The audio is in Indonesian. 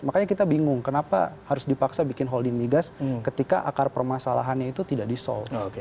makanya kita bingung kenapa harus dipaksa bikin holding di gas ketika akar permasalahannya itu tidak di solve